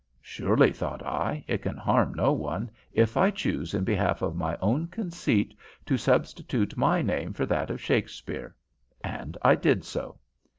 Surely, thought I, it can harm no one if I choose in behalf of my own conceit to substitute my name for that of Shakespeare, and I did so.